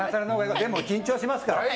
でも緊張しますから。